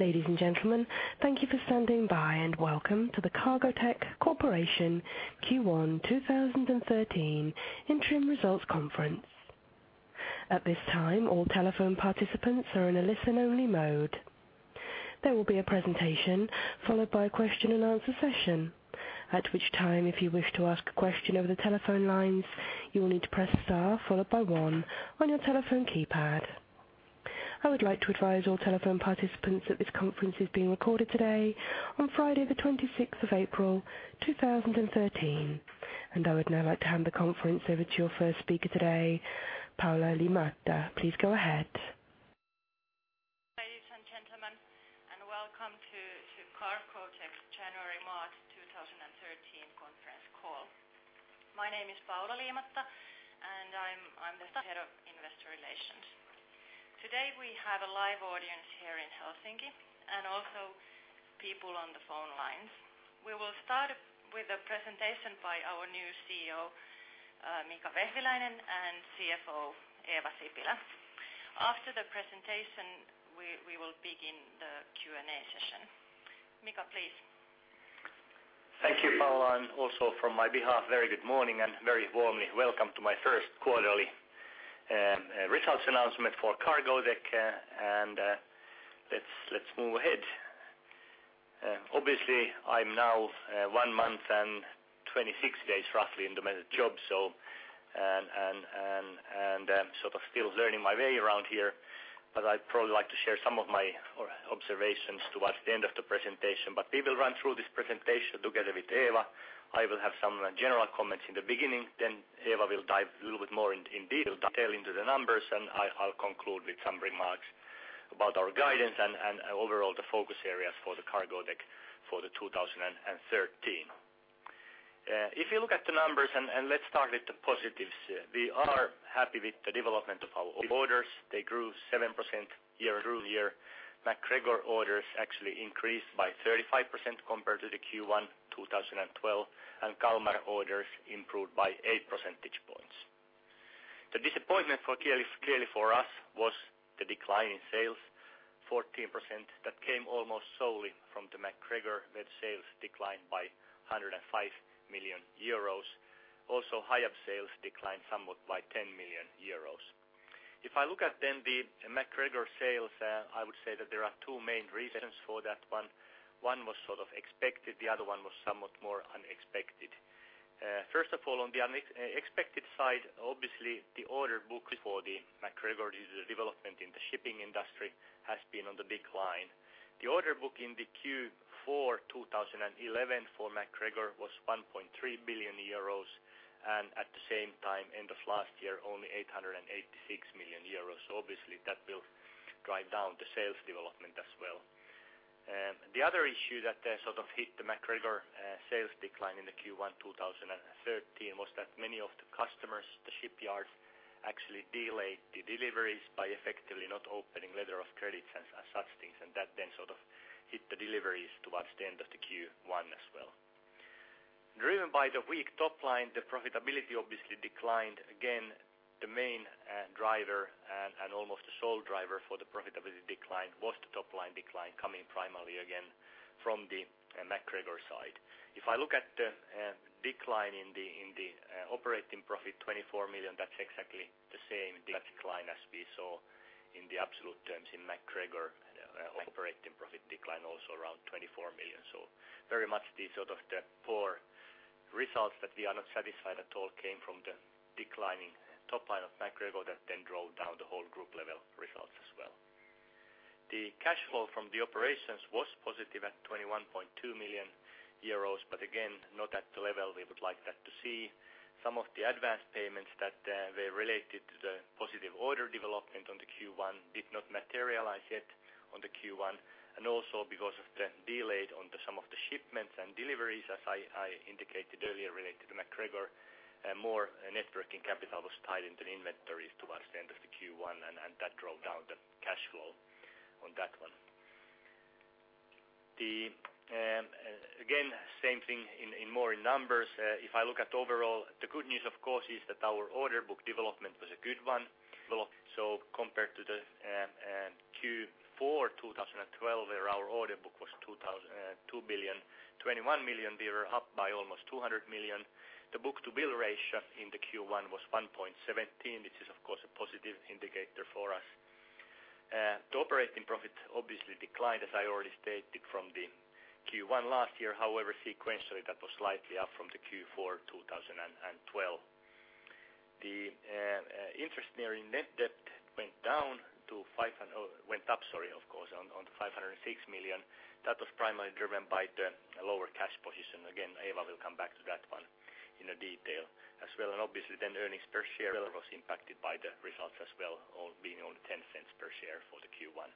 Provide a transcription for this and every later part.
Ladies and gentlemen, thank you for standing by, and welcome to the Cargotec Corporation Q1 2013 interim results conference. At this time, all telephone participants are in a listen-only mode. There will be a presentation followed by a question-and-answer session. At which time, if you wish to ask a question over the telephone lines, you will need to press star followed by one on your telephone keypad. I would like to advise all telephone participants that this conference is being recorded today, on Friday the 26th of April, 2013. I would now like to hand the conference over to your first speaker today, Paula Liimatta. Please go ahead. Ladies and gentlemen, welcome to Cargotec's January-March 2013 conference call. My name is Paula Liimatta, and I'm the Head of Investor Relations. Today, we have a live audience here in Helsinki and also people on the phone lines. We will start with a presentation by our new CEO, Mika Vehviläinen, and CFO, Eeva Sipilä. After the presentation, we will begin the Q&A session. Mika, please. Thank you, Paula, also from my behalf, very good morning and very warmly welcome to my first quarterly results announcement for Cargotec. Let's move ahead. Obviously, I'm now one month and 26 days roughly in the job, so, sort of still learning my way around here, but I'd probably like to share some of my observations towards the end of the presentation. We will run through this presentation together with Eeva. I will have some general comments in the beginning, then Eeva will dive a little bit more in detail into the numbers. I'll conclude with some remarks about our guidance and overall the focus areas for the Cargotec for 2013. If you look at the numbers, let's start with the positives. We are happy with the development of our orders. They grew 7% year-on-year. MacGregor orders actually increased by 35% compared to the Q1 2012. Kalmar orders improved by eight percentage points. The disappointment for clearly for us was the decline in sales, 14%, that came almost solely from the MacGregor net sales decline by 105 million euros. Hiab sales declined somewhat by 10 million euros. If I look at then the MacGregor sales, I would say that there are two main reasons for that one. One was sort of expected, the other one was somewhat more unexpected. First of all, on the expected side, obviously the order book for the MacGregor due to the development in the shipping industry has been on the decline. The order book in the Q4 2011 for MacGregor was 1.3 billion euros, at the same time, end of last year, only 886 million euros. Obviously that will drive down the sales development as well. The other issue that sort of hit the MacGregor sales decline in the Q1 2013 was that many of the customers, the shipyards, actually delayed the deliveries by effectively not opening letters of credit and such things. That then sort of hit the deliveries towards the end of the Q1 as well. Driven by the weak top line, the profitability obviously declined. Again, the main driver and almost the sole driver for the profitability decline was the top-line decline coming primarily again from the MacGregor side. If I look at the decline in the operating profit, 24 million, that's exactly the same decline as we saw in the absolute terms in MacGregor operating profit decline, also around 24 million. Very much the sort of the poor results that we are not satisfied at all came from the declining top line of MacGregor that then drove down the whole group level results as well. The cash flow from the operations was positive at 21.2 million euros, again, not at the level we would like that to see. Some of the advanced payments that were related to the positive order development on the Q1 did not materialize yet on the Q1. Also because of the delay on some of the shipments and deliveries, as I indicated earlier, related to MacGregor, more net working capital was tied into inventories towards the end of the Q1, and that drove down the cash flow on that one. Again, same thing in more numbers. If I look at overall, the good news of course is that our order book development was a good one. Compared to the Q4 2012, where our order book was 2.021 billion, we were up by almost 200 million. The book-to-bill ratio in the Q1 was 1.17, which is of course a positive indicator for us. The operating profit obviously declined, as I already stated, from the Q1 last year. Sequentially, that was slightly up from the Q4 2012. The, interestingly, net debt went down to 500... Went up, sorry, of course, on 506 million. That was primarily driven by the lower cash position. Again, Eeva will come back to that one in a detail. As well, earnings per share was impacted by the results as well of being only 0.10 per share for the Q1.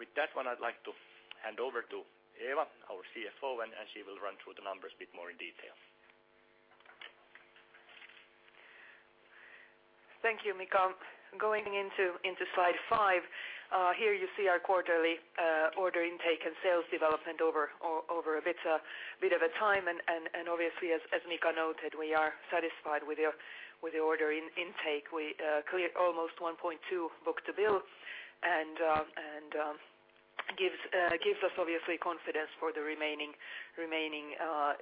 With that one, I'd like to hand over to Eeva, our CFO, and she will run through the numbers a bit more in detail. Thank you, Mika. Going into slide five, here you see our quarterly order intake and sales development over a bit of a time. Obviously as Mika noted, we are satisfied with the order intake. We cleared almost 1.2 book-to-bill. Gives us obviously confidence for the remaining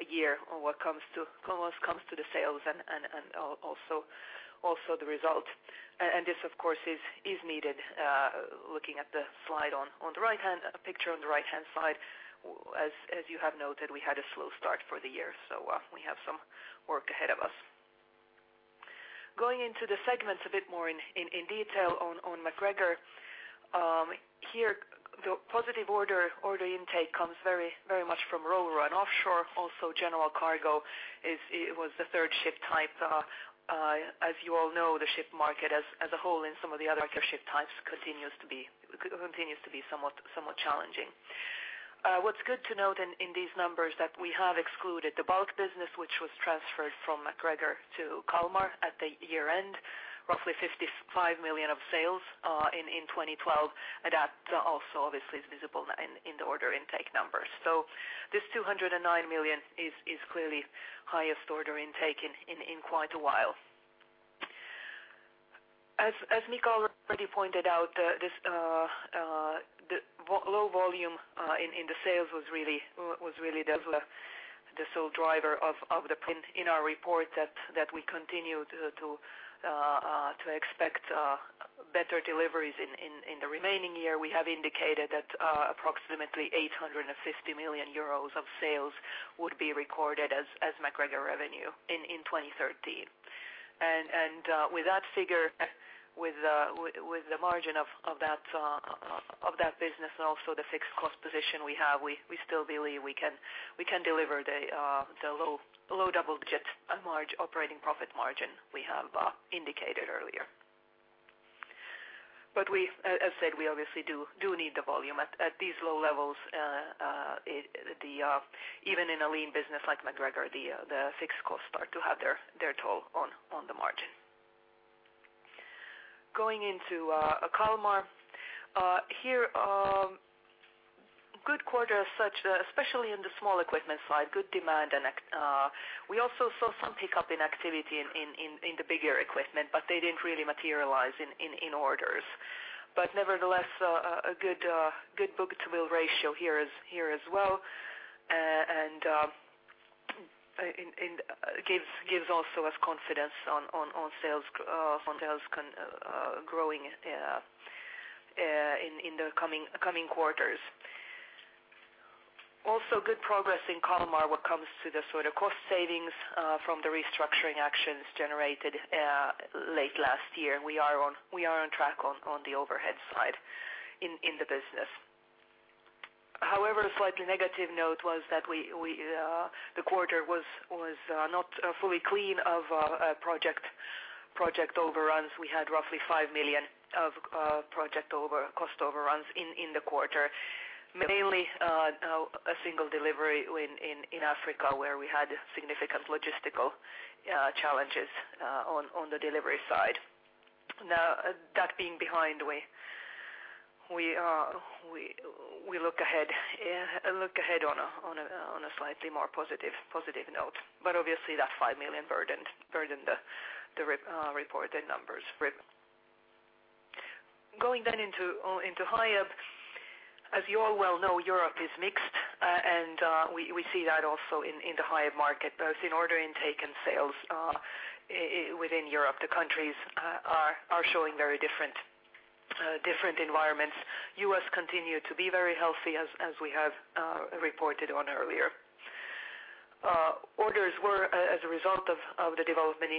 year on what comes to the sales and also the results. This of course is needed looking at the slide on the right-hand picture on the right-hand side, as you have noted, we had a slow start for the year. We have some work ahead of us. Going into the segments a bit more in detail on MacGregor. Here the positive order intake comes very much from RoRo and offshore, also general cargo is, it was the third ship type. As you all know, the ship market as a whole in some of the other ship types continues to be somewhat challenging. What's good to note in these numbers that we have excluded the bulk business which was transferred from MacGregor to Kalmar at the year-end, roughly 55 million of sales in 2012. That also obviously is visible in the order intake numbers. This 209 million is clearly highest order intake in quite a while. As Mika already pointed out, this the low volume in the sales was really the sole driver of the print in our report that we continue to expect better deliveries in the remaining year. We have indicated that approximately 850 million euros of sales would be recorded as MacGregor revenue in 2013. With that figure, with the margin of that business and also the fixed cost position we have, we still believe we can deliver the low double digits and large operating profit margin we have indicated earlier. As said, we obviously need the volume. At these low levels, even in a lean business like MacGregor, the fixed costs start to have their toll on the margin. Going into Kalmar. Here, good quarter as such, especially in the small equipment side, good demand and we also saw some pickup in activity in the bigger equipment. They didn't really materialize in orders. Nevertheless, a good book-to-bill ratio here as well. Gives also us confidence on sales growing in the coming quarters. Also good progress in Kalmar when it comes to the sort of cost savings from the restructuring actions generated late last year. We are on track on the overhead side in the business. However, a slightly negative note was that the quarter was not fully clean of project overruns. We had roughly 5 million of cost overruns in the quarter. Mainly, a single delivery in Africa, where we had significant logistical challenges on the delivery side. Now that being behind, we look ahead on a slightly more positive note. Obviously that 5 million burdened the reported numbers. Going into Hiab. As you all well know, Europe is mixed, and we see that also in the Hiab market, both in order intake and sales within Europe, the countries are showing very different environments. U.S. continue to be very healthy as we have reported on earlier. Orders were as a result of the development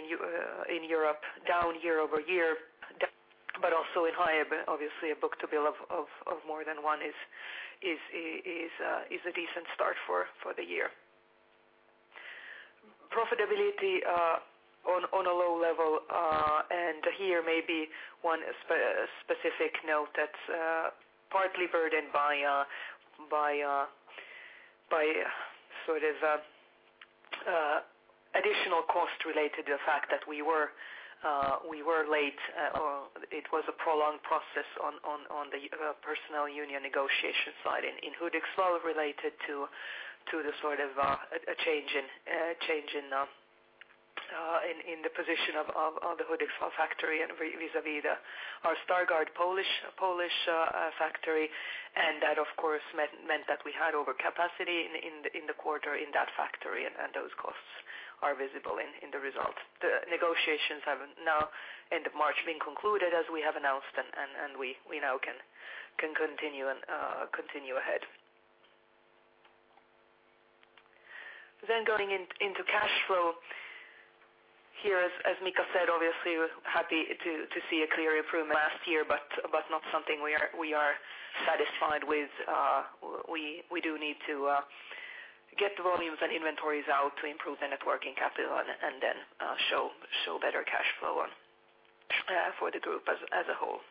in Europe, down year-over-year, but also in Hiab, obviously a book-to-bill of more than 1 is a decent start for the year. Profitability, on a low level. Here maybe one specific note that's partly burdened by sort of additional cost related to the fact that we were late, or it was a prolonged process on the personnel union negotiation side in Hudiksvall related to the sort of a change in the position of the Hudiksvall factory and vis-a-vis our Stargard Polish factory. That of course meant that we had overcapacity in the quarter in that factory, and those costs are visible in the results. The negotiations have now end of March been concluded, as we have announced. We now can continue and continue ahead. Going into cash flow. Here, as Mika said, obviously we're happy to see a clear improvement last year, but not something we are satisfied with. We do need to get the volumes and inventories out to improve the net working capital and then show better cash flow for the group as a whole.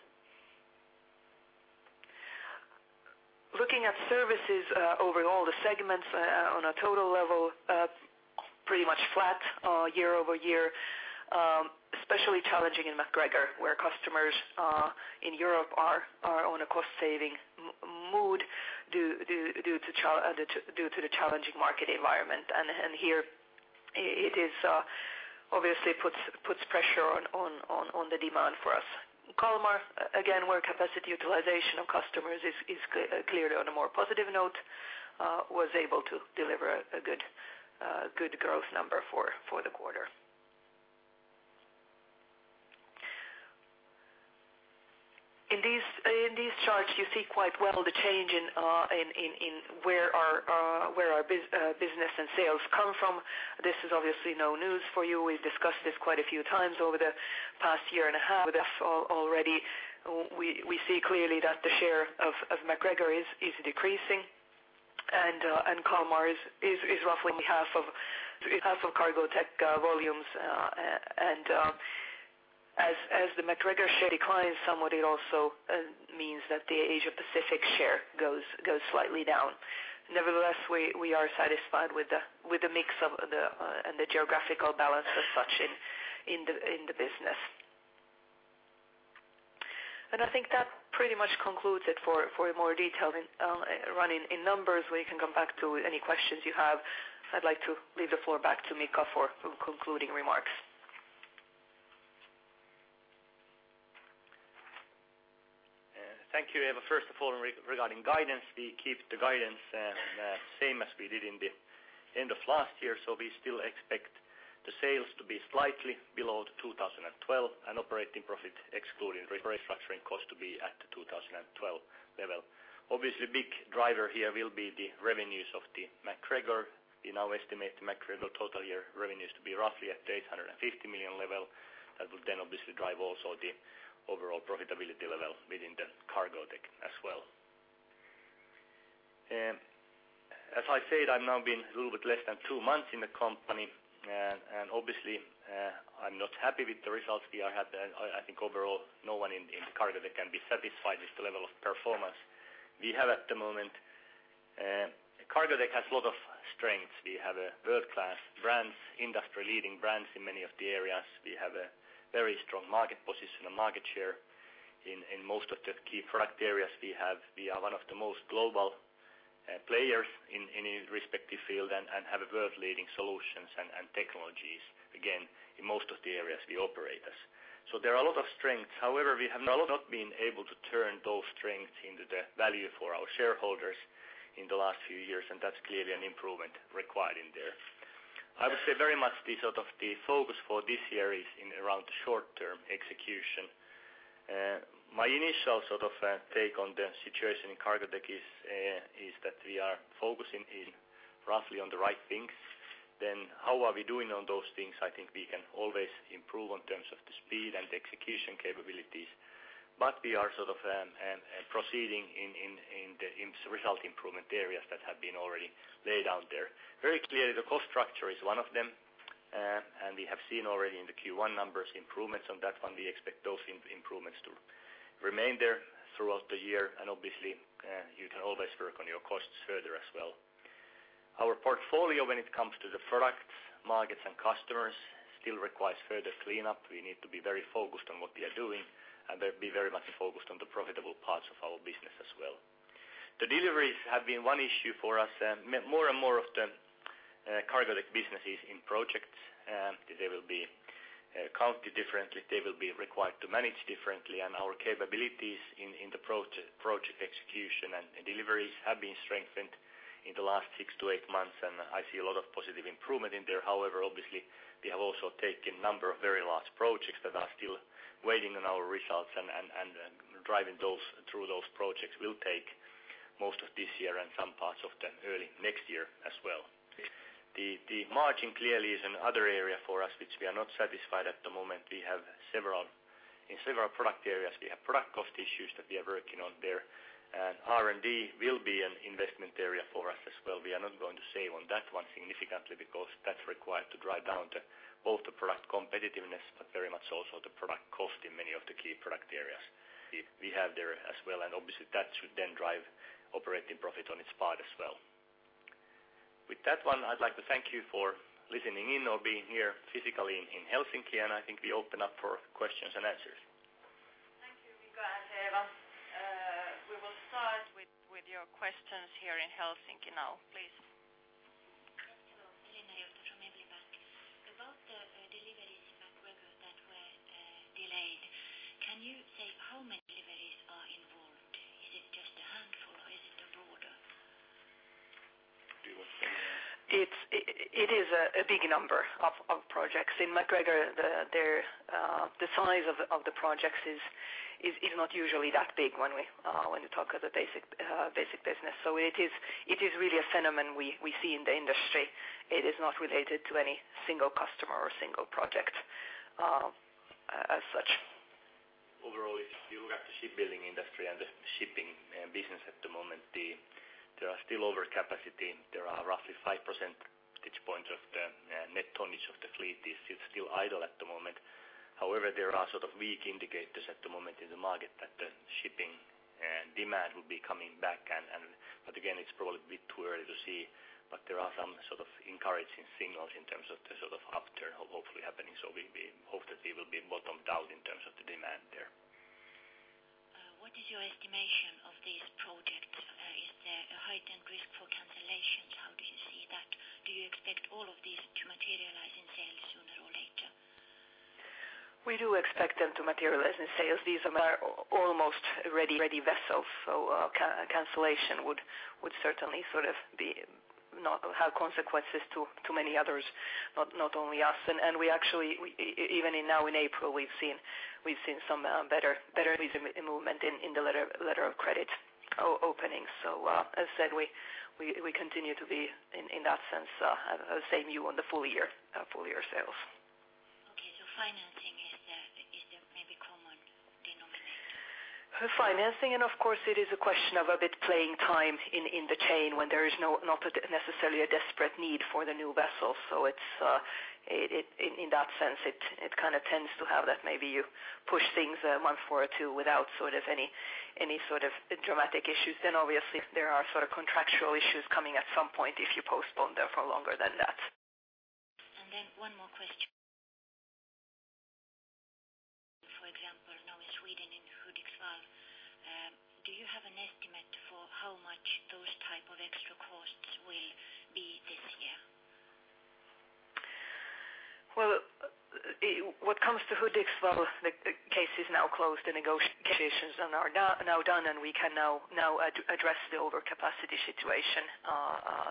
Looking at services, over all the segments, on a total level, pretty much flat year-over-year. Especially challenging in MacGregor, where customers in Europe are on a cost saving mood due to the challenging market environment. Here it is, obviously puts pressure on the demand for us. Kalmar, again, where capacity utilization of customers is clearly on a more positive note, was able to deliver a good growth number for the quarter. In these charts, you see quite well the change in where our business and sales come from. This is obviously no news for you. We've discussed this quite a few times over the past year and a half already. We see clearly that the share of MacGregor is decreasing and Kalmar is roughly half of Cargotec volumes. As the MacGregor share declines somewhat, it also means that the Asia Pacific share goes slightly down. Nevertheless, we are satisfied with the mix of the and the geographical balance as such in the business. I think that pretty much concludes it for more detail in running in numbers. We can come back to any questions you have. I'd like to leave the floor back to Mika for concluding remarks. Thank you, Eeva. First of all, regarding guidance, we keep the guidance same as we did in the end of last year. We still expect the sales to be slightly below 2012, and operating profit excluding restructuring costs to be at the 2012 level. Obviously, big driver here will be the revenues of the MacGregor. We now estimate MacGregor total year revenues to be roughly at 850 million level. That will then obviously drive also the overall profitability level within the Cargotec as well. As I said, I've now been a little bit less than two months in the company, and obviously, I'm not happy with the results we have had. I think overall no one in Cargotec can be satisfied with the level of performance we have at the moment. Cargotec has a lot of strengths. We have world-class brands, industry-leading brands in many of the areas. We have a very strong market position and market share in most of the key product areas. We are one of the most global players in respective field and have world-leading solutions and technologies, again, in most of the areas we operate as. There are a lot of strengths. However, we have not been able to turn those strengths into the value for our shareholders in the last few years, and that's clearly an improvement required in there. I would say very much the sort of the focus for this year is in around short-term execution. My initial sort of take on the situation in Cargotec is that we are focusing in roughly on the right things. How are we doing on those things? I think we can always improve in terms of the speed and execution capabilities. We are sort of proceeding in the result improvement areas that have been already laid out there. Very clear, the cost structure is one of them. We have seen already in the Q1 numbers improvements on that one. We expect those improvements to remain there throughout the year. Obviously, you can always work on your costs further as well. Our portfolio when it comes to the products, markets, and customers still requires further cleanup. We need to be very focused on what we are doing, and they'll be very much focused on the profitable parts of our business as well. The deliveries have been one issue for us. More and more of the Cargotec businesses in projects, they will be counted differently. They will be required to manage differently. Our capabilities in project execution and deliveries have been strengthened in the last six-eight months, and I see a lot of positive improvement in there. However, obviously, we have also taken a number of very large projects that are still waiting on our results and driving those through those projects will take most of this year and some parts of the early next year as well. The margin clearly is another area for us which we are not satisfied at the moment. We have in several product areas, we have product cost issues that we are working on there. R&D will be an investment area for us as well. We are not going to save on that one significantly because that's required to drive down both the product competitiveness, but very much also the product cost in many of the key product areas we have there as well. Obviously, that should then drive operating profit on its part as well. With that one, I'd like to thank you for listening in or being here physically in Helsinki, and I think we open up for questions and answers. Thank you, Mika and Eeva. We will start with your questions here in Helsinki now. Please. Do you want to say more? It's, it is a big number of projects. In MacGregor, the size of the projects is not usually that big when we talk of the basic business. It is really a phenomenon we see in the industry. It is not related to any single customer or single project, as such. Overall, if you look at the shipbuilding industry and the shipping business at the moment, there are still overcapacity. There are roughly 5 percentage points of the net tonnage of the fleet is still idle at the moment. However, there are sort of weak indicators at the moment in the market that the shipping demand will be coming back. Again, it's probably a bit too early to see. There are some sort of encouraging signals in terms of the sort of upturn hopefully happening. We hope that we will be bottomed out in terms of the demand there. What is your estimation of this project? Is there a heightened risk for cancellations? How do you see that? Do you expect all of these to materialize in sales sooner or later? We do expect them to materialize in sales. These are almost ready vessels. cancellation would certainly sort of be not have consequences to many others, not only us. we actually, we even in now in April, we've seen some better movement in the letter of credit opening. as said, we continue to be in that sense the same view on the full year sales. Okay. financing is the maybe common denominator. Financing, of course it is a question of a bit playing time in the chain when there is not necessarily a desperate need for the new vessels. It's in that sense, it kinda tends to have that maybe you push things month forward or two without sort of any sort of dramatic issues. Obviously there are sort of contractual issues coming at some point if you postpone there for longer than that. One more question. For example, now in Sweden, in Hudiksvall, do you have an estimate for how much those type of extra costs will be this year? What comes to Hudiksvall, the case is now closed. The negotiations are now done, we can now address the overcapacity situation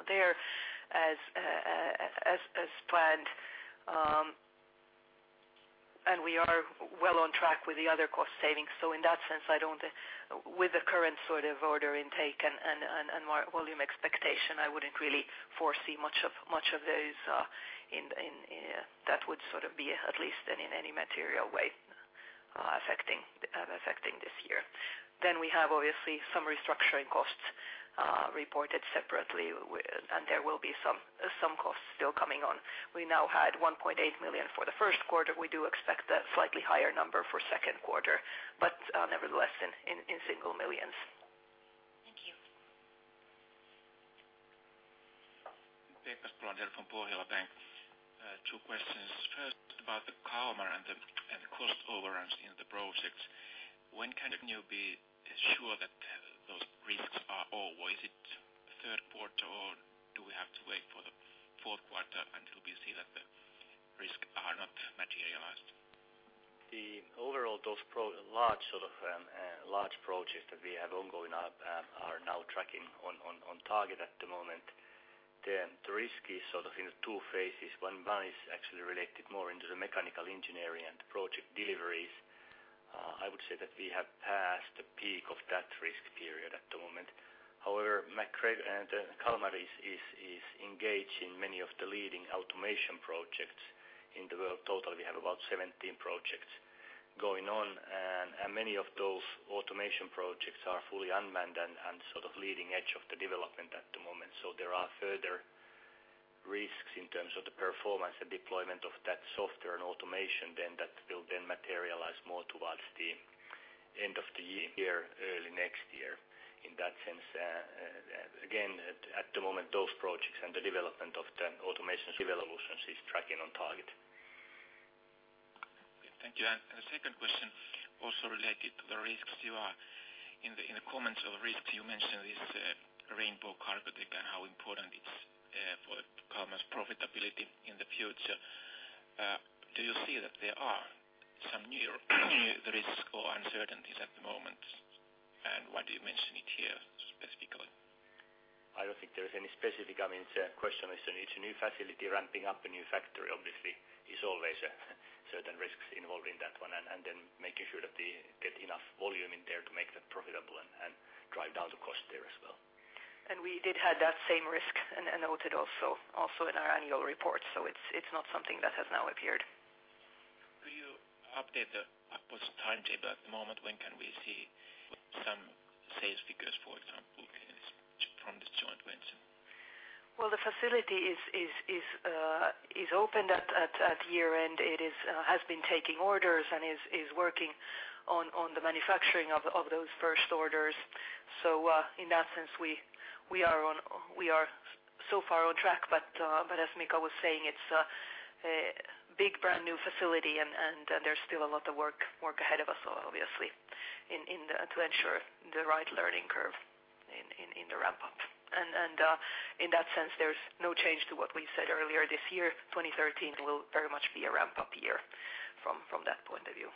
there as planned. We are well on track with the other cost savings. In that sense, I don't, with the current sort of order intake and volume expectation, I wouldn't really foresee much of those in that would sort of be at least in any material way affecting this year. We have obviously some restructuring costs reported separately with, there will be some costs still coming on. We now had 1.8 million for the first quarter. We do expect a slightly higher number for second quarter, nevertheless, in single millions. Thank you. Two questions. First about the Kalmar and the cost overruns in the projects. When can you be sure that those risks are over? Is it third quarter, or do we have to wait for the fourth quarter until we see that the risks are not materialized? The overall, those large sort of, large projects that we have ongoing, are now tracking on target at the moment. The risk is sort of in two phases. One is actually related more into the mechanical engineering and project deliveries. I would say that we have passed the peak of that risk period at the moment. However, MacGregor and Kalmar is engaged in many of the leading automation projects in the world. Total, we have about 17 projects going on, and many of those automation projects are fully unmanned and sort of leading edge of the development at the moment. There are further risks in terms of the performance and deployment of that software and automation that will then materialize more towards the end of the year, early next year. In that sense, again, at the moment, those projects and the development of the automation's evolutions is tracking on target. Okay. Thank you. The second question also related to the risks. You are in the comments of risks, you mentioned this Rainbow-Cargotec Industries and how important it's for Kalmar's profitability in the future. Do you see that there are some new risks or uncertainties at the moment, and why do you mention it here specifically? I don't think there is any specific, I mean, question. It's a new facility ramping up a new factory. Obviously, there's always certain risks involved in that one. Making sure that they get enough volume in there to make that profitable and drive down the cost there as well. We did have that same risk and noted also in our annual report. It's not something that has now appeared. Do you update the upwards timetable at the moment? When can we see some sales figures, for example, in this, from this joint venture? Well, the facility is opened at year-end. It has been taking orders and is working on the manufacturing of those first orders. In that sense, we are so far on track. As Mika was saying, it's a big brand new facility and there's still a lot of work ahead of us, obviously, in the, to ensure the right learning curve in the ramp-up. In that sense, there's no change to what we said earlier this year. 2013 will very much be a ramp-up year from that point of view.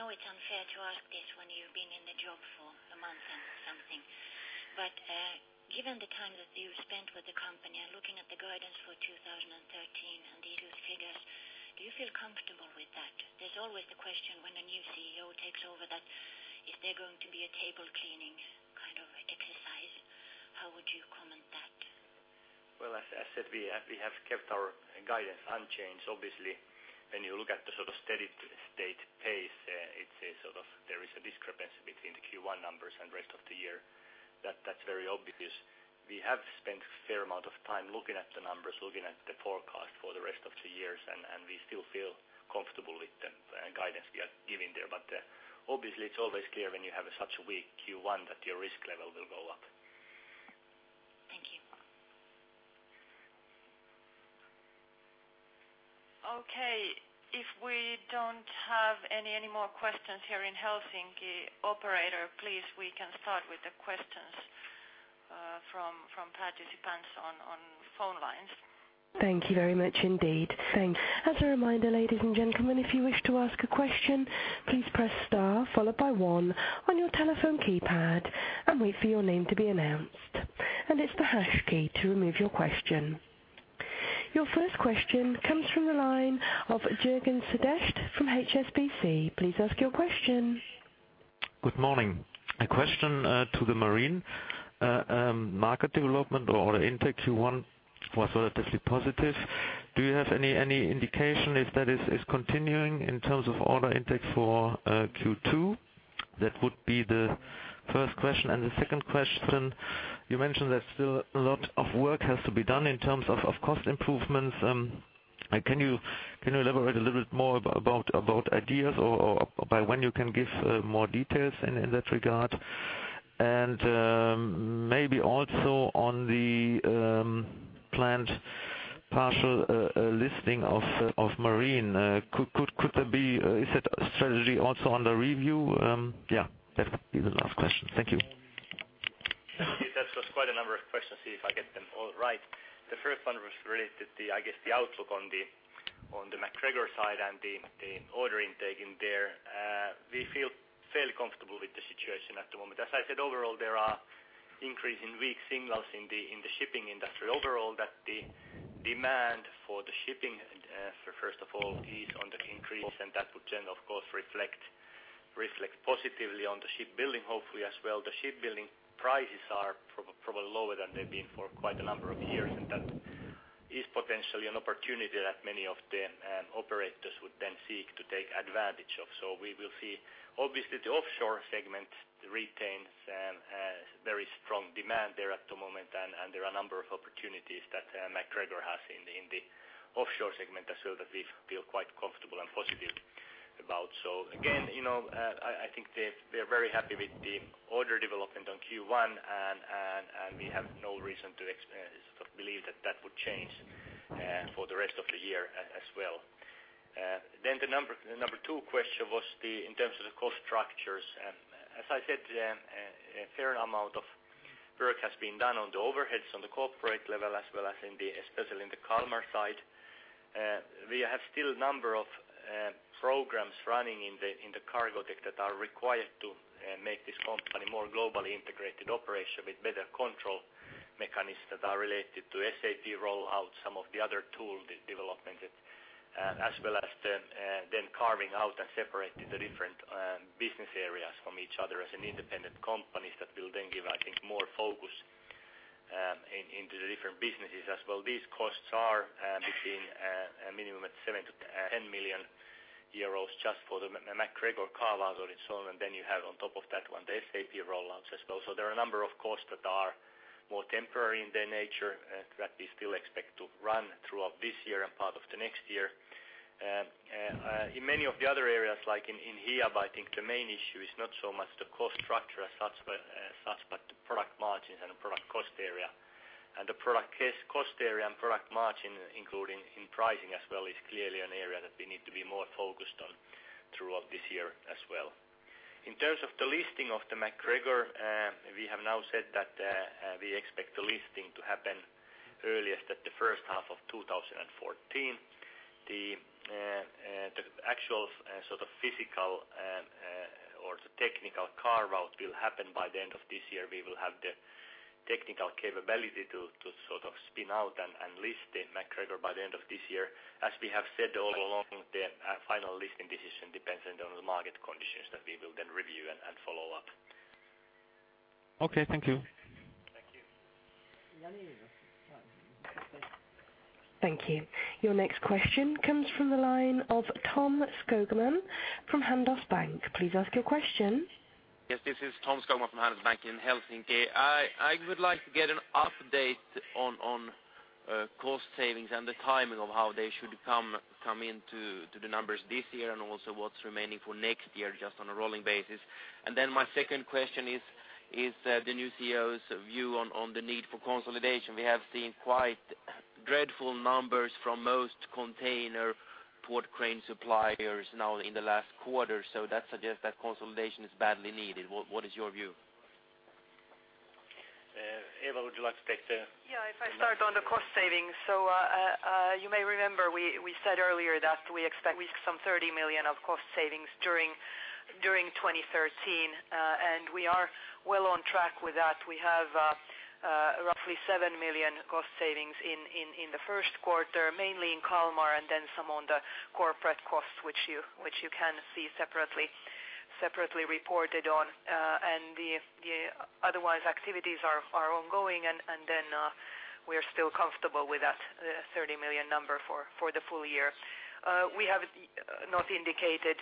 Thank you. Yes. Hello. I know it's unfair to ask this when you've been in the job for a month and something, but given the time that you've spent with the company and looking at the guidance for 2013 and these figures, do you feel comfortable with that? There's always the question when a new CEO takes over that is there going to be a table cleaning kind of exercise? How would you comment that? Well, as I said, we have kept our guidance unchanged. Obviously, when you look at the sort of steady state pace, there is a discrepancy between the Q1 numbers and rest of the year. That's very obvious. We have spent a fair amount of time looking at the numbers, looking at the forecast for the rest of the years, and we still feel comfortable with the guidance we are giving there. Obviously it's always clear when you have such a weak Q1 that your risk level will go up. Thank you. Okay. If we don't have any more questions here in Helsinki, operator, please, we can start with the questions from participants on phone lines. Thank you very much indeed. As a reminder, ladies and gentlemen, if you wish to ask a question, please press star followed by one on your telephone keypad and wait for your name to be announced. It's the hash key to remove your question. Your first question comes from the line of Jürgen Zirener from HSBC. Please ask your question. Good morning. A question to the Marine market development or order intake Q1 was relatively positive. Do you have any indication if that is continuing in terms of order intake for Q2? That would be the first question. The second question, you mentioned that still a lot of work has to be done in terms of cost improvements. Can you elaborate a little bit more about ideas or by when you can give more details in that regard? Maybe also on the planned partial listing of Marine. Is that a strategy also under review? That would be the last question. Thank you. That was quite a number of questions. See if I get them all right. The first one was related to, I guess, the outlook on the MacGregor side and the order intake in there. We feel fairly comfortable with the situation at the moment. As I said, overall, there are increase in weak signals in the shipping industry. Overall, that the demand for the shipping, first of all, is on the increase, and that would then of course reflect positively on the shipbuilding hopefully as well. The shipbuilding prices are probably lower than they've been for quite a number of years, and that is potentially an opportunity that many of the operators would then seek to take advantage of. We will see. Obviously, the offshore segment retains very strong demand there at the moment, and there are a number of opportunities that MacGregor has in the offshore segment as well that we feel quite comfortable and positive about. Again, you know, I think we are very happy with the order development on Q1 and we have no reason to believe that that would change for the rest of the year as well. Then the number two question was in terms of the cost structures. As I said, a fair amount of work has been done on the overheads on the corporate level as well as in the especially in the Kalmar side. We have still a number of programs running in the Cargotec that are required to make this company more globally integrated operation with better control mechanisms that are related to SAP rollout, some of the other tool de-development, as well as then carving out and separating the different business areas from each other as an independent companies. That will then give, I think, more focus in, into the different businesses as well. These costs are between a minimum of 7 million-10 million euros just for the MacGregor carve out on its own, and then you have on top of that one the SAP rollouts as well. There are a number of costs that are more temporary in their nature that we still expect to run throughout this year and part of the next year. In many of the other areas, like in Hiab, I think the main issue is not so much the cost structure as such but the product margins and product cost area. The product cost area and product margin, including in pricing as well, is clearly an area that we need to be more focused on throughout this year as well. In terms of the listing of the MacGregor, we have now said that we expect the listing to happen earliest at the first half of 2014. The actual sort of physical or the technical carve-out will happen by the end of this year. We will have the technical capability to sort of spin out and list the MacGregor by the end of this year. As we have said all along, the final listing decision depends on the market conditions that we will then review and follow up. Okay. Thank you. Thank you. Thank you. Your next question comes from the line of Tom Skoglund from Handelsbanken. Please ask your question. Yes. This is Tom Skoglund from Handelsbanken in Helsinki. I would like to get an update on cost savings and the timing of how they should come into the numbers this year and also what's remaining for next year just on a rolling basis. My second question is the new CEO's view on the need for consolidation. We have seen quite dreadful numbers from most container port crane suppliers now in the last quarter, that suggests that consolidation is badly needed. What is your view? Eva, would you like to take the-? Yeah. If I start on the cost savings. You may remember we said earlier that we expect some 30 million of cost savings during 2013, and we are well on track with that. We have roughly 7 million cost savings in the first quarter, mainly in Kalmar and then some on the corporate costs, which you can see separately reported on. The otherwise activities are ongoing and then we are still comfortable with that 30 million number for the full year. We have not indicated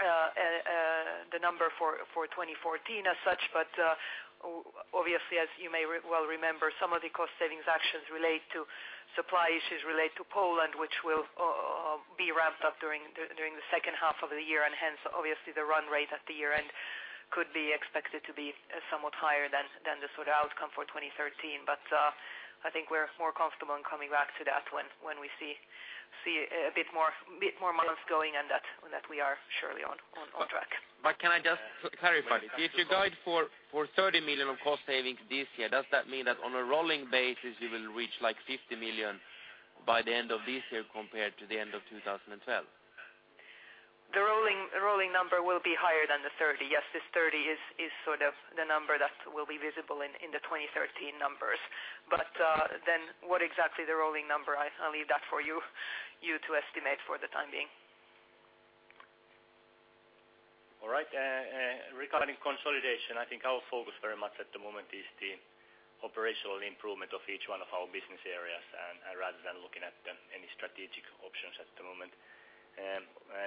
the number for 2014 as such. Obviously as you may well remember, some of the cost savings actions relate to supply issues relate to Poland which will be ramped up during the second half of the year and hence obviously the run rate at the year end. Could be expected to be somewhat higher than the sort of outcome for 2013. I think we're more comfortable in coming back to that when we see a bit more months going and that we are surely on track. Can I just clarify, if you guide for 30 million of cost savings this year, does that mean that on a rolling basis you will reach like 50 million by the end of this year compared to the end of 2012? The rolling number will be higher than the 30. Yes, this 30 is sort of the number that will be visible in the 2013 numbers. Then what exactly the rolling number I'll leave that for you to estimate for the time being. All right. Regarding consolidation, I think our focus very much at the moment is the operational improvement of each one of our business areas and rather than looking at them any strategic options at the moment.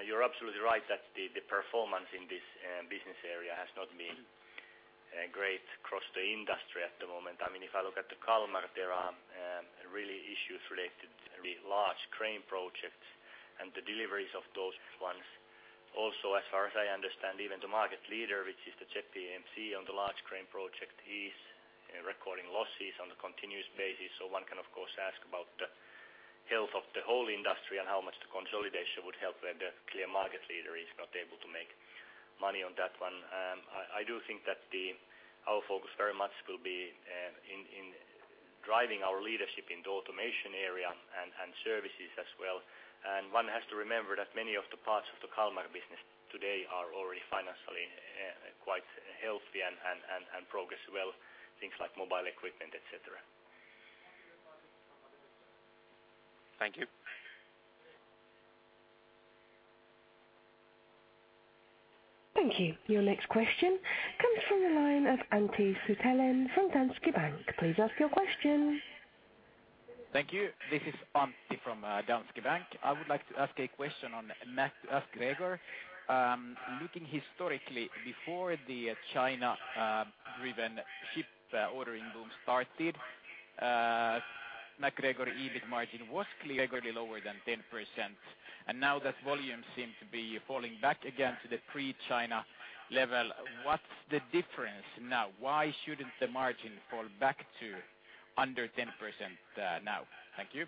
You're absolutely right that the performance in this business area has not been great across the industry at the moment. I mean, if I look at Kalmar, there are really issues related to the large crane projects and the deliveries of those ones. Also, as far as I understand, even the market leader, which is ZPMC on the large crane project, is recording losses on a continuous basis. One can of course ask about the health of the whole industry and how much the consolidation would help when the clear market leader is not able to make money on that one. I do think that our focus very much will be in driving our leadership in the automation area and services as well. One has to remember that many of the parts of the Kalmar business today are already financially quite healthy and progress well, things like mobile equipment, et cetera. Thank you. Thank you. Your next question comes from the line of Antti Suttelin from Danske Bank. Please ask your question. Thank you. This is Antti from Danske Bank. I would like to ask a question on MacGregor. Looking historically, before the China driven ship ordering boom started, MacGregor EBIT margin was clearly lower than 10%. Now that volume seem to be falling back again to the pre-China level. What's the difference now? Why shouldn't the margin fall back to under 10% now? Thank you.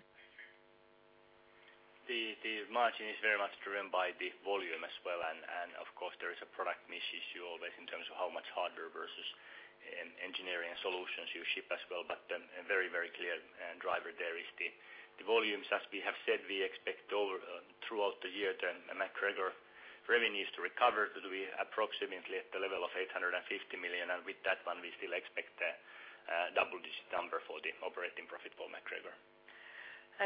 The margin is very much driven by the volume as well. Of course there is a product mix issue always in terms of how much hardware versus engineering solutions you ship as well. A very, very clear driver there is the volumes. As we have said, we expect over throughout the year the MacGregor revenues to recover to be approximately at the level of 850 million. With that one we still expect a double-digit number for the operating profit for MacGregor.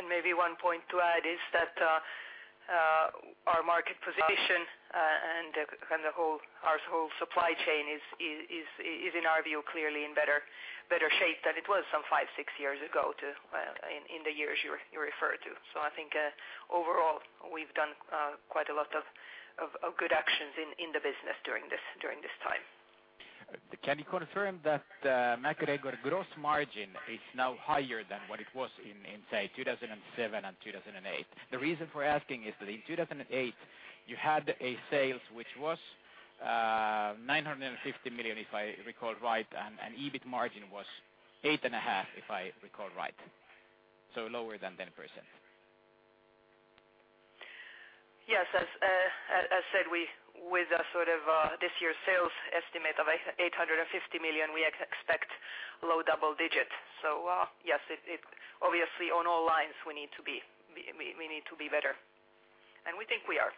Maybe one point to add is that our market position, and the whole, our whole supply chain is in our view, clearly in better shape than it was some five, six years ago to in the years you referred to. I think, overall we've done quite a lot of good actions in the business during this, during this time. Can you confirm that MacGregor gross margin is now higher than what it was in, say, 2007 and 2008? The reason for asking is that in 2008 you had a sales which was 950 million, if I recall right, and EBIT margin was 8.5%, if I recall right. Lower than 10%. Yes. As said, we, with a sort of, this year's sales estimate of 850 million, we expect low double digits. Yes, it obviously on all lines, we need to be, we need to be better. We think we are.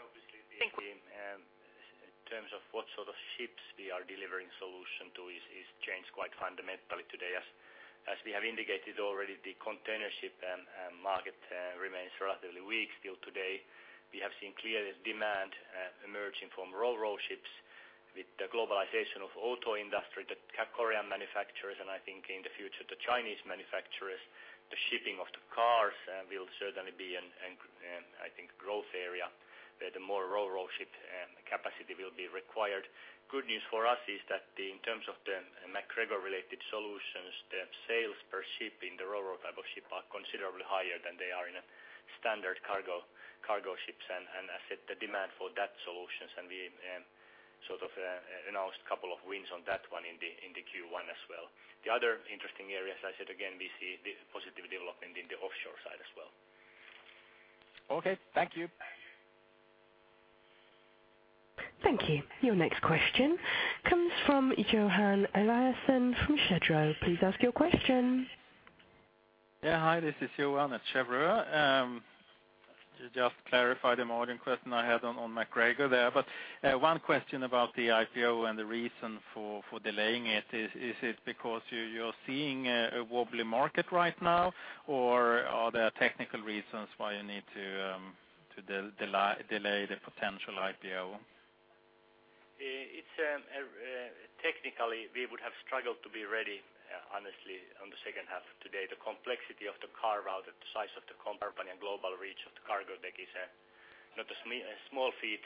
obviously. Thank you. In terms of what sort of ships we are delivering solution to is changed quite fundamentally today. As we have indicated already, the container ship market remains relatively weak still today. We have seen clear demand emerging from RoRo ships with the globalization of auto industry, the Korean manufacturers, and I think in the future the Chinese manufacturers. The shipping of the cars will certainly be an, I think, growth area where the more RoRo ship capacity will be required. Good news for us is that in terms of the MacGregor related solutions, the sales per ship in the RoRo type of ship are considerably higher than they are in a standard cargo ships. As said, the demand for that solutions, and we, sort of, announced a couple of wins on that one in the Q1 as well. Other interesting area, as I said again, we see the positive development in the offshore side as well. Okay. Thank you. Thank you. Your next question comes from Johan Eliason from SEB. Please ask your question. Yeah. Hi, this is Johan at SEB. To just clarify the margin question I had on MacGregor there. One question about the IPO and the reason for delaying it. Is it because you're seeing a wobbly market right now or are there technical reasons why you need to delay the potential IPO? It's technically we would have struggled to be ready, honestly on the second half today. The complexity of the carve-out, the size of the company and global reach of Cargotec is not a small feat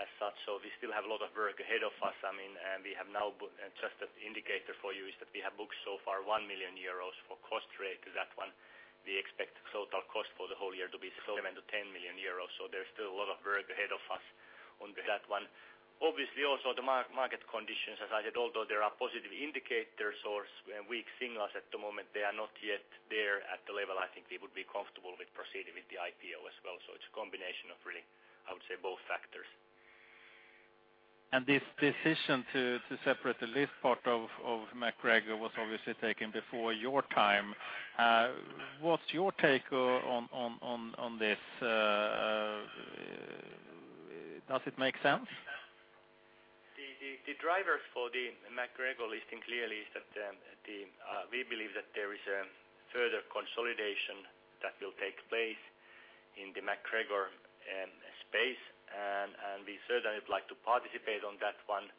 as such. We still have a lot of work ahead of us. I mean, we have now just an indicator for you is that we have booked so far 1 million euros for cost rate. That one we expect total cost for the whole year to be 7 million-10 million euros. There's still a lot of work ahead of us. On that one. Obviously, also the market conditions, as I said, although there are positive indicators or weak signals at the moment, they are not yet there at the level I think we would be comfortable with proceeding with the IPO as well. It's a combination of really, I would say, both factors. This decision to separate the lease part of MacGregor was obviously taken before your time. What's your take on this? Does it make sense? The drivers for the MacGregor listing clearly is that we believe that there is a further consolidation that will take place in the MacGregor space. We certainly would like to participate on that one.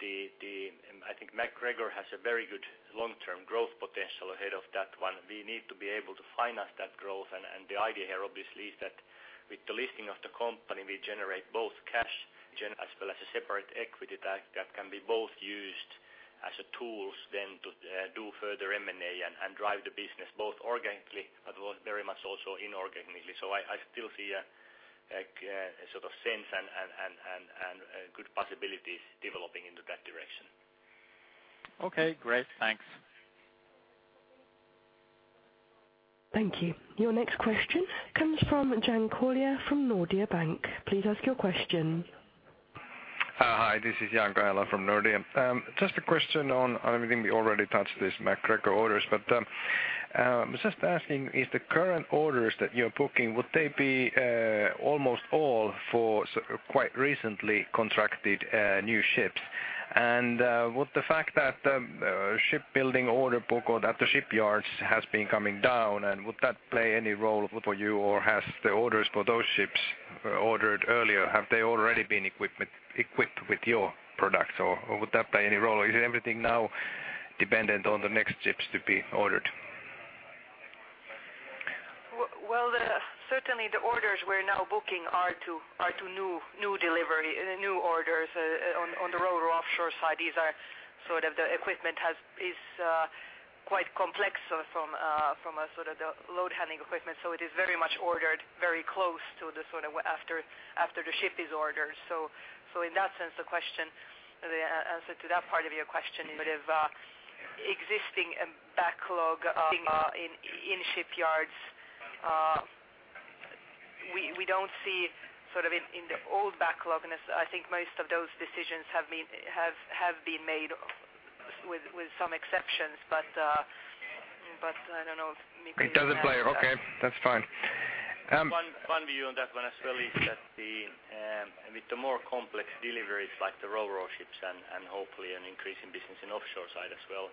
I think MacGregor has a very good long-term growth potential ahead of that one. We need to be able to finance that growth. The idea here obviously is that with the listing of the company, we generate both cash gen as well as a separate equity that can be both used as a tools then to do further M&A and drive the business both organically but also very much also inorganically. I still see a, like, sort of sense and good possibilities developing into that direction. Okay, great. Thanks. Thank you. Your next question comes from Janne Kåll from Nordea Bank. Please ask your question. Hi, this is Janne Kåll from Nordea. Just a question on, I think we already touched this MacGregor orders. Just asking is the current orders that you're booking, would they be almost all for quite recently contracted new ships? Would the fact that shipbuilding order book or that the shipyards has been coming down, and would that play any role for you or has the orders for those ships ordered earlier, have they already been equipped with your products or would that play any role? Is everything now dependent on the next ships to be ordered? Well, well, the certainly the orders we're now booking are to new delivery, new orders on the RoRo offshore side. These are sort of the equipment is quite complex from a sort of the load handling equipment. It is very much ordered very close to the sort of after the ship is ordered. In that sense, the answer to that part of your question is sort of existing backlog in shipyards. We don't see sort of in the old backlogness. I think most of those decisions have been made with some exceptions. I don't know if Mika can add. It doesn't play. Okay, that's fine. One view on that one as well is that the with the more complex deliveries like the RoRo ships and hopefully an increase in business in offshore side as well,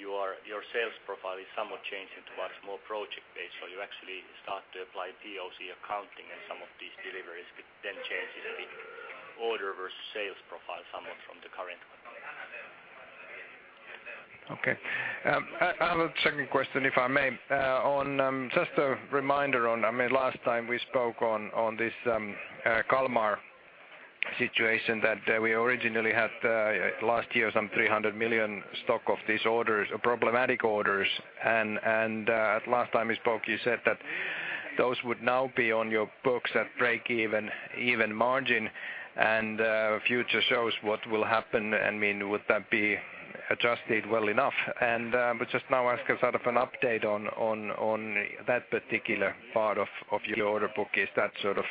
your sales profile is somewhat changing to much more project-based. You actually start to apply POC accounting and some of these deliveries could then change the order versus sales profile somewhat from the current one. Okay. I have a second question, if I may. On, just a reminder on, I mean, last time we spoke on this Kalmar situation that we originally had last year some 300 million stock of these orders or problematic orders. Last time we spoke, you said that those would now be on your books at break even margin. Future shows what will happen and mean would that be adjusted well enough. Just now ask sort of an update on that particular part of your order book. Is that sort of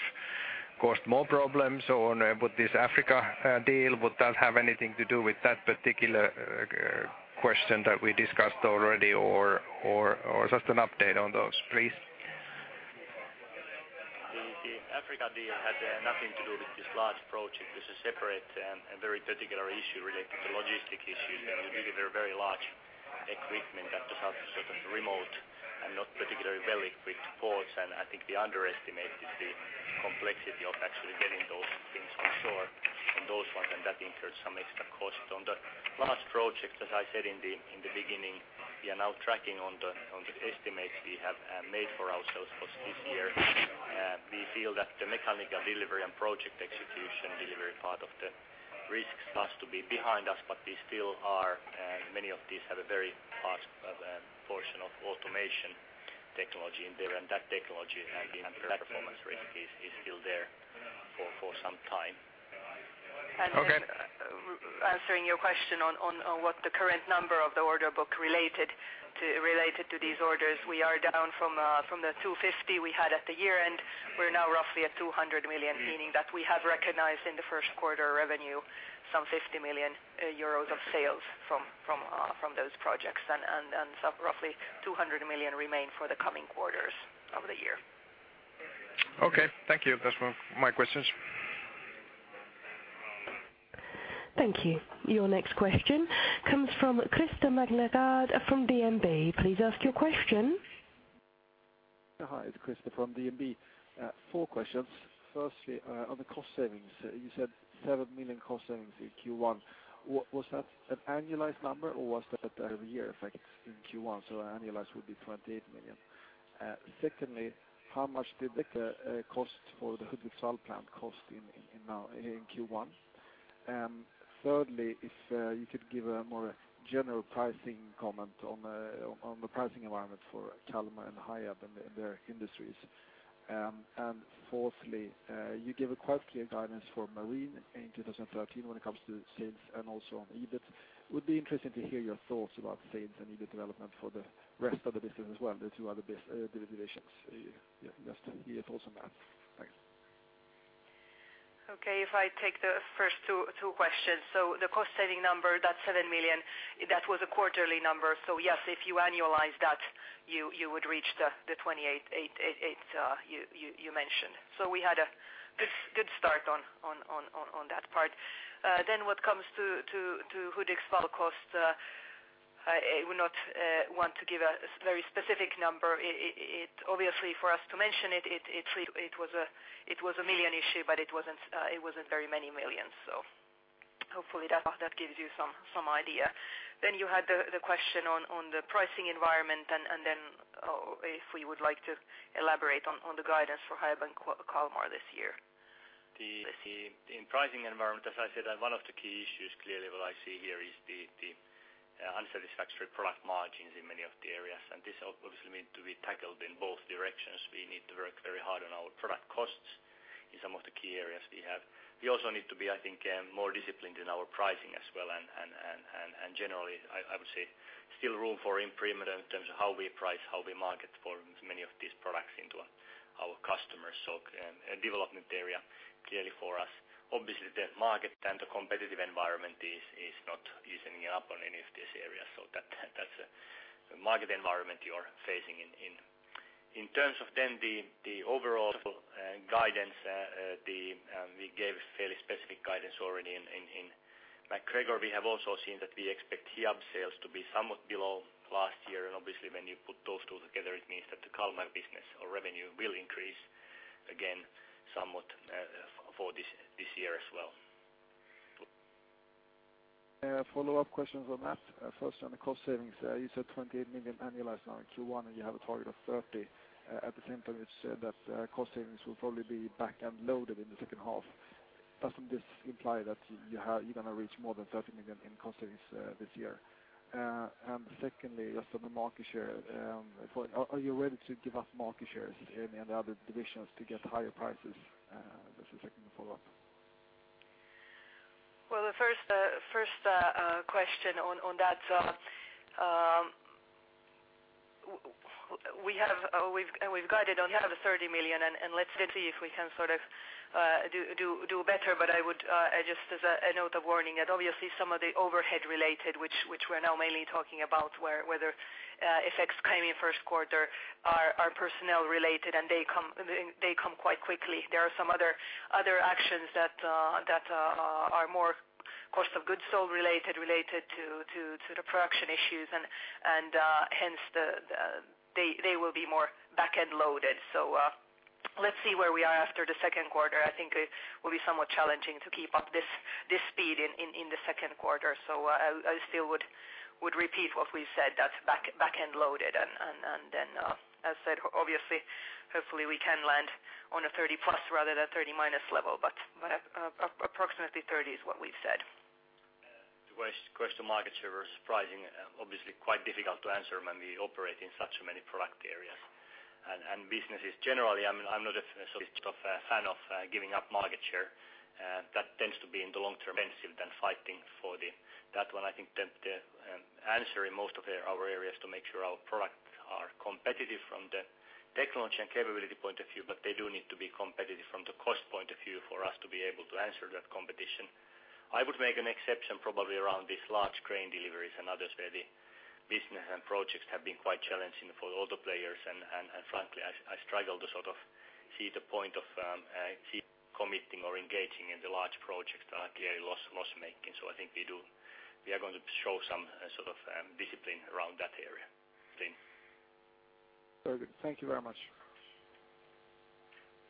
caused more problems? With this Africa deal, would that have anything to do with that particular question that we discussed already or just an update on those, please? The Africa deal had nothing to do with this large project. This is separate and a very particular issue related to logistic issues. We deliver very large equipment that does have to sort of remote and not particularly well-equipped ports. I think they underestimated the complexity of actually getting those things on shore on those ones, and that incurred some extra costs. On the last project, as I said in the beginning, we are now tracking on the estimates we have made for ourselves for this year. We feel that the mechanical delivery and project execution delivery part of the risks starts to be behind us. We still are many of these have a very large portion of automation technology in there. That technology and that performance risk is still there for some time. Okay. Answering your question on what the current number of the order book related to these orders. We are down from 250 million we had at the year-end. We're now roughly at 200 million, meaning that we have recognized in the first quarter revenue some 50 million euros of sales from those projects. Some roughly 200 million remain for the coming quarters of the year. Okay. Thank you. That's all my questions. Thank you. Your next question comes from Christer Magnergård from DNB. Please ask your question. Hi, it's Krister from DNB. Four questions. Firstly, on the cost savings, you said 7 million cost savings in Q1. Was that an annualized number or was that a year effect in Q1? Annualized would be 28 million. Secondly, how much did the cost for the Hudiksvall plant cost in now in Q1? Thirdly, if you could give a more general pricing comment on the pricing environment for Kalmar and Hiab and their industries. Fourthly, you gave a quite clear guidance for marine in 2013 when it comes to sales and also on EBIT. Would be interesting to hear your thoughts about sales and EBIT development for the rest of the business as well, the two other divisions. Just hear your thoughts on that. Thanks. Okay. If I take the first two questions. The cost saving number, that's 7 million, that was a quarterly number. Yes, if you annualize that, you would reach the 28 million you mentioned. We had a good start on that part. What comes to Hudiksvall costs, I would not want to give a very specific number. It obviously for us to mention it really was a million issue, but it wasn't very many millions. Hopefully that gives you some idea. You had the question on the pricing environment and then if we would like to elaborate on the guidance for Hiab and Kalmar this year. The in pricing environment, as I said, one of the key issues clearly what I see here is the unsatisfactory product margins in many of the areas. This obviously need to be tackled in both directions. We need to work very hard on our product costs in some of the key areas we have. We also need to be, I think, more disciplined in our pricing as well. Generally, I would say still room for improvement in terms of how we price, how we market for many of these products into our customers. A development area clearly for us. Obviously, the market and the competitive environment is not easing up on any of these areas. That's a market environment you are facing in. In terms of the overall guidance, we gave fairly specific guidance already in MacGregor. We have also seen that we expect Hiab sales to be somewhat below last year. Obviously when you put those two together, it means that the Kalmar business or revenue will increase again somewhat for this year as well. Follow-up questions on that. First on the cost savings. You said 28 million annualized now in Q1, and you have a target of 30 million. At the same time you said that cost savings will probably be back end loaded in the second half. Doesn't this imply that you're gonna reach more than 30 million in cost savings this year? Secondly, just on the market share, are you ready to give up market shares in any other divisions to get higher prices? That's the second follow-up. Well, the first question on that, we have, we've guided on having 30 million, and let's see if we can sort of do better. I would just as a note of warning that obviously some of the overhead related, which we're now mainly talking about whether effects coming in first quarter are personnel related and they come quite quickly. There are some other actions that are more cost of goods sold related to the production issues and hence they will be more back end loaded. Let's see where we are after the second quarter. I think it will be somewhat challenging to keep up this speed in the second quarter. I still would repeat what we've said, that's back end loaded. Then, as said, obviously, hopefully we can land on a 30- rather than 30- level, but approximately 30 is what we've said. The question market share was surprising, obviously quite difficult to answer when we operate in such many product areas. Businesses generally, I'm not a sort of a fan of giving up market share. That tends to be in the long term expensive than fighting for that one. I think the answer in most of our areas to make sure our products are competitive from the technology and capability point of view, but they do need to be competitive from the cost point of view for us to be able to answer that competition. I would make an exception probably around these large crane deliveries and others where the business and projects have been quite challenging for all the players. Frankly, I struggle to sort of see the point of keep committing or engaging in the large projects that are clearly loss-making. I think we are going to show some sort of discipline around that area. Very good. Thank you very much.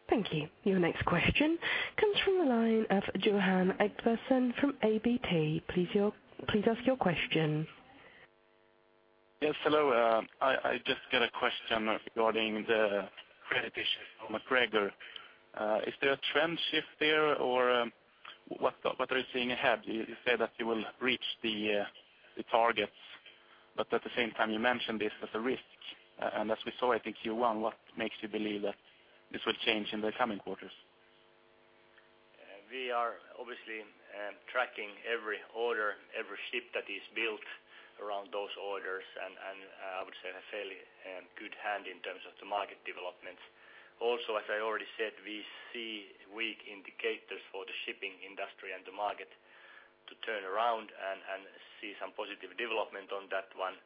Thank you. Your next question comes from the line of Johan Ekblom from ABG. Please ask your question. Yes. Hello. I just got a question regarding the credit issue for MacGregor. Is there a trend shift there or, what are you seeing ahead? You said that you will reach the targets, but at the same time you mentioned this as a risk. As we saw, I think Q1, what makes you believe that this will change in the coming quarters? We are obviously tracking every order, every ship that is built around those orders and I would say have fairly good hand in terms of the market developments. Also, as I already said, we see weak indicators for the shipping industry and the market to turn around and see some positive development on that one.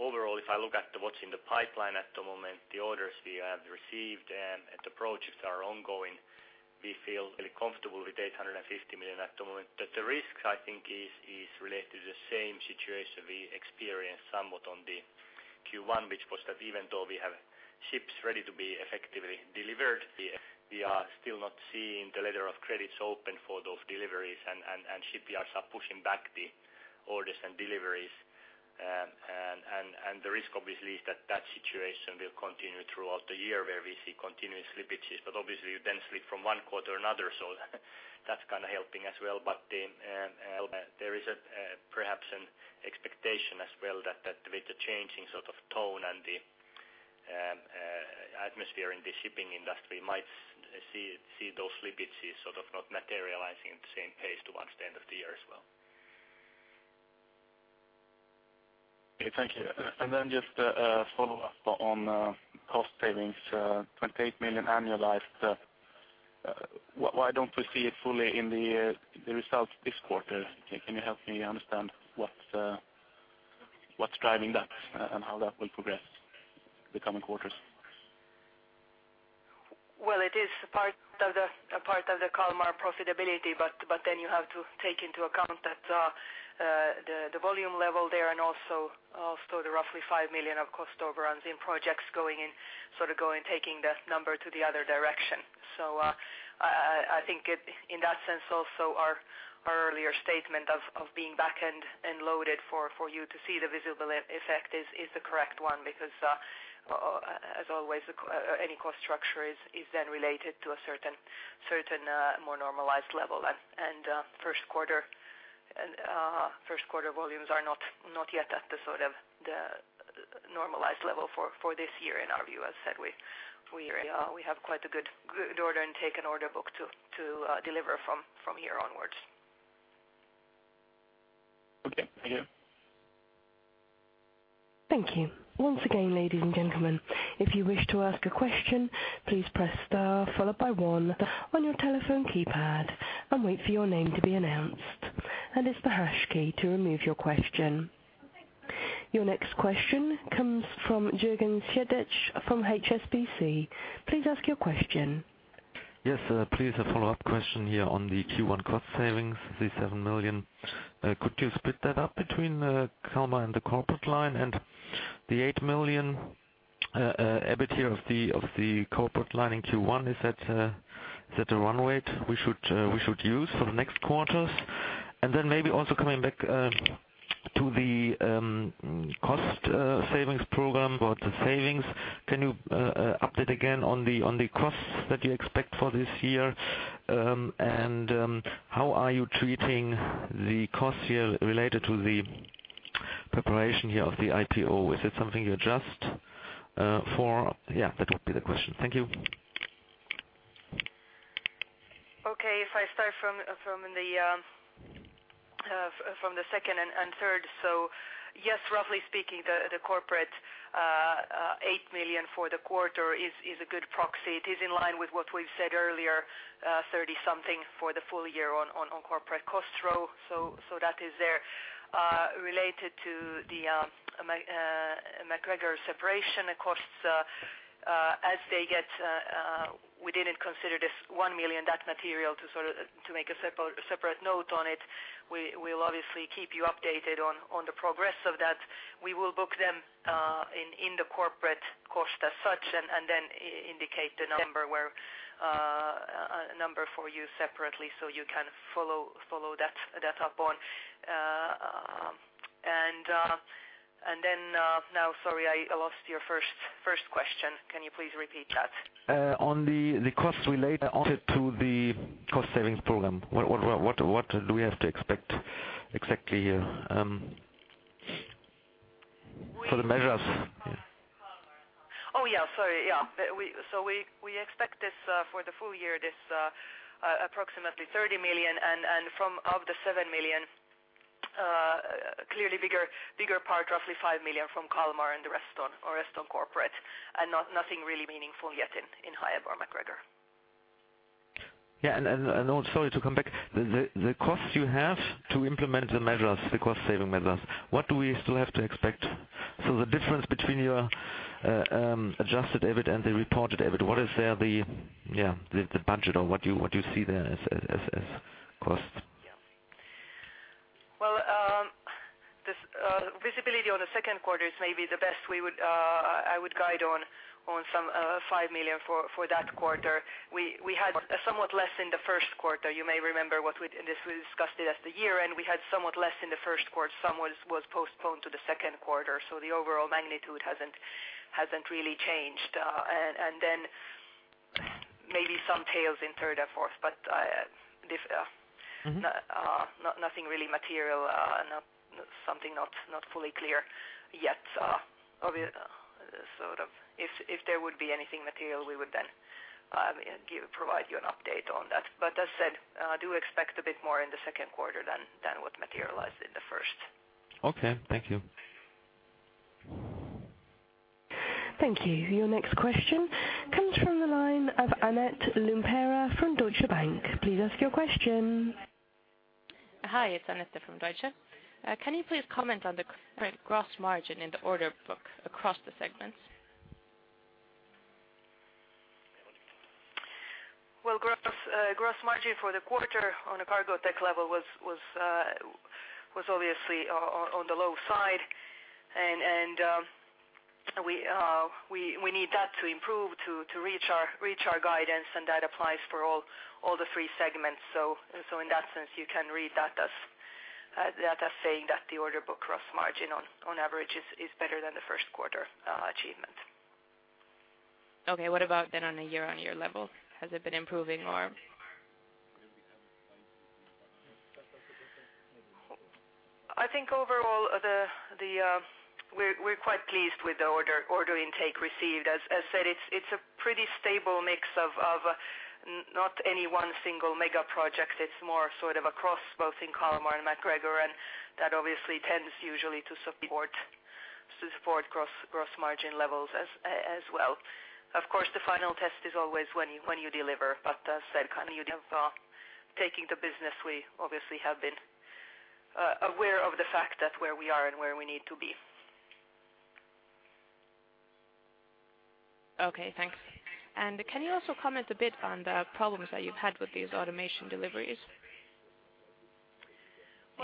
Overall, if I look at what's in the pipeline at the moment, the orders we have received and the projects that are ongoing, we feel really comfortable with 850 million at the moment. The risks I think is related to the same situation we experienced somewhat on the Q1, which was that even though we have ships ready to be effectively delivered, we are still not seeing the letters of credit open for those deliveries and shipyards are pushing back the orders and deliveries. The risk obviously is that situation will continue throughout the year where we see continuous slippages, but obviously you then slip from one quarter or another, so that's kinda helping as well. There is a perhaps an expectation as well that with the changing sort of tone and the atmosphere in the shipping industry might see those slippages sort of not materializing at the same pace towards the end of the year as well. Okay, thank you. Just a follow-up on cost savings, 28 million annualized. Why don't we see it fully in the results this quarter? Can you help me understand what's driving that and how that will progress the coming quarters? the Kalmar profitability, but then you have to take into account that the volume level there and also the roughly 5 million of cost overruns in projects going in, taking the number to the other direction. I think it, in that sense also our earlier statement of being back-end loaded for you to see the visible effect is the correct one because as always, any cost structure is then related to a certain more normalized level. First quarter volumes are not yet at the normalized level for this year in our view As said, we have quite a good order intake and order book to deliver from here onwards. Okay. Thank you. Thank you. Once again, ladies and gentlemen, if you wish to ask a question, please press star followed by one on your telephone keypad and wait for your name to be announced. It's the hash key to remove your question. Your next question comes from Jürgen Seidl from HSBC. Please ask your question. Yes, please, a follow-up question here on the Q1 cost savings, the 7 million. Could you split that up between Kalmar and the corporate line? The 8 million EBIT of the corporate line in Q1, is that a run rate we should use for the next quarters? Maybe also coming back to the cost savings program about the savings, can you update again on the costs that you expect for this year? How are you treating the costs here related to the preparation here of the IPO? Is it something you adjust for? Yeah, that would be the question. Thank you. Okay. If I start from the second and third. Yes, roughly speaking, the corporate 8 million for the quarter is a good proxy. It is in line with what we've said earlier, 30 something for the full year on corporate cost row. That is there. Related to the MacGregor separation costs, as they get, we didn't consider this 1 million that material to sort of to make a separate note on it. We'll obviously keep you updated on the progress of that. We will book them in the corporate cost as such and then indicate the number where a number for you separately so you can follow that up on. Now sorry, I lost your first question. Can you please repeat that? On the costs related to the cost savings program, what do we have to expect exactly, for the measures? Oh, yeah. Sorry. Yeah. We, so we expect this for the full year, this approximately 30 million, and from, of the 7 million, clearly bigger part, roughly 5 million from Kalmar and the rest on corporate, and nothing really meaningful yet in Hiab or MacGregor. Yeah. Also to come back, the costs you have to implement the measures, the cost saving measures, what do we still have to expect? The difference between your adjusted EBIT and the reported EBIT, what is there the budget or what you see there as costs? Well, this visibility on the second quarter is maybe the best we would, I would guide on some 5 million for that quarter. We had somewhat less in the first quarter. You may remember what we discussed it at the year-end. We had somewhat less in the first quarter. Some was postponed to the second quarter. The overall magnitude hasn't really changed. Then maybe some tails in third and fourth, but this. Mm-hmm. Nothing really material, Something not fully clear yet. Sort of if there would be anything material, we would then provide you an update on that. As said, do expect a bit more in the second quarter than what materialized in the first. Okay. Thank you. Thank you. Your next question comes from the line of Annette Sjölander from Deutsche Bank. Please ask your question. Hi, it's Annette from Deutsche. Can you please comment on the current gross margin in the order book across the segments? Well, gross gross margin for the quarter on a Cargotec level was obviously on the low side. We need that to improve to reach our guidance, and that applies for all three segments. In that sense, you can read that as saying that the order book gross margin on average is better than the first quarter achievement. Okay. What about then on a year-on-year level? Has it been improving or? I think overall the, we're quite pleased with the order intake received. As said, it's a pretty stable mix of, not any one single mega project. It's more sort of across both in Kalmar and MacGregor, and that obviously tends usually to support gross margin levels as well. Of course, the final test is always when you deliver, but as said, kind of, you know, taking the business, we obviously have been, aware of the fact that where we are and where we need to be. Okay, thanks. Can you also comment a bit on the problems that you've had with these automation deliveries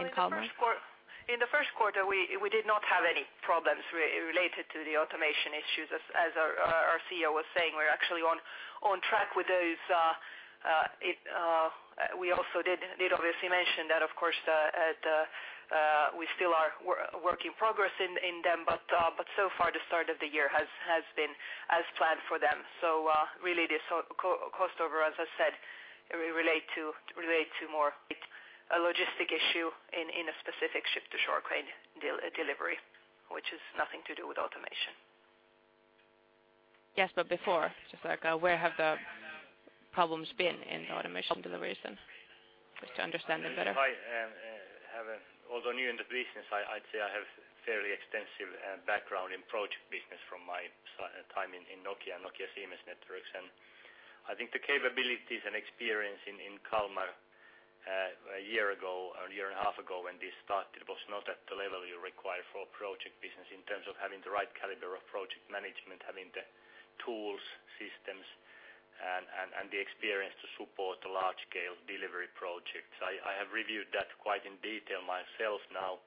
in Kalmar? Well, in the first quarter, we did not have any problems related to the automation issues. As our CEO was saying, we're actually on track with those. We also did obviously mention that of course, we still are work in progress in them, but so far the start of the year has been as planned for them. Really the cost over, as I said, relate to more a logistic issue in a specific ship-to-shore crane delivery, which has nothing to do with automation. Yes, before, just like, where have the problems been in automation deliveries then? Just to understand it better. I have, although new in the business, I'd say I have fairly extensive background in project business from my time in Nokia Siemens Networks. I think the capabilities and experience in Kalmar a year ago, a year and a half ago, when this started, was not at the level you require for a project business in terms of having the right caliber of project management, having the tools, systems, and the experience to support large scale delivery projects. I have reviewed that quite in detail myself now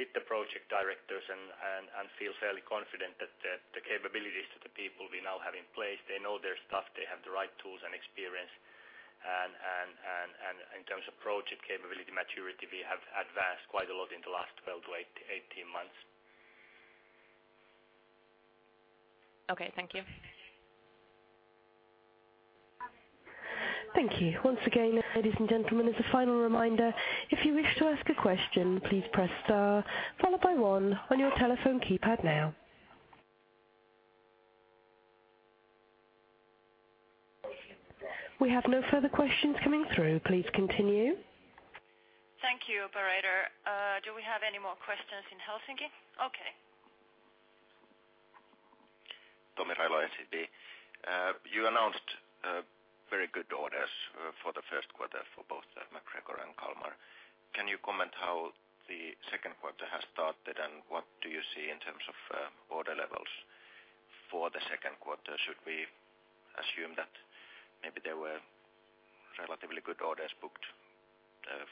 with the project directors and feel fairly confident that the capabilities that the people we now have in place, they know their stuff, they have the right tools and experience and in terms of project capability maturity, we have advanced quite a lot in the last 12 to 18 months. Okay, thank you. Thank you. Once again, ladies and gentlemen, as a final reminder, if you wish to ask a question, please press star followed by one on your telephone keypad now. We have no further questions coming through. Please continue. Thank you, operator. Do we have any more questions in Helsinki? Okay. You announced very good orders for the first quarter for both MacGregor and Kalmar. Can you comment how the second quarter has started, and what do you see in terms of order levels for the second quarter? Should we assume that maybe there were relatively good orders booked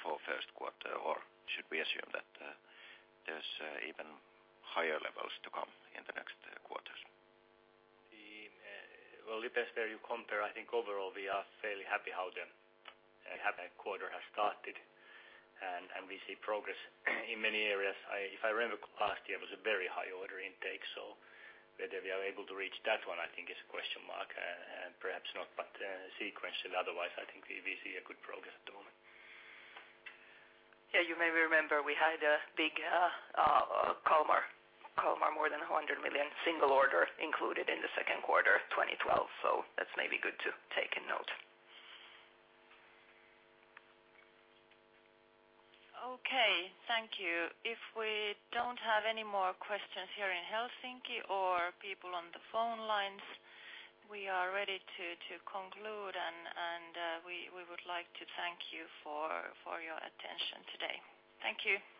for first quarter, or should we assume that there's even higher levels to come in the next quarters? Well, it depends where you compare. I think overall we are fairly happy how the quarter has started and we see progress in many areas. If I remember last year it was a very high order intake, whether we are able to reach that one, I think is a question mark, perhaps not, but sequentially, otherwise, I think we see a good progress at the moment. You may remember we had a big Kalmar more than 100 million single order included in the 2Q 2012, that's maybe good to take a note. Okay. Thank you. If we don't have any more questions here in Helsinki or people on the phone lines, we are ready to conclude and we would like to thank you for your attention today. Thank you. Thank you. Thank you.